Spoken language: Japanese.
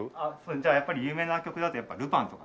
じゃあやっぱり有名な曲だと『ルパン』とか。